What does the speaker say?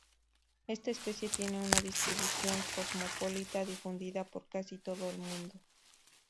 Esta especie tiene una distribución cosmopolita, difundida por casi todo el mundo.